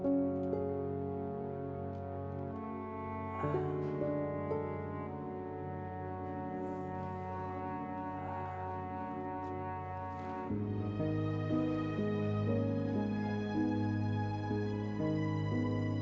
ya aku mau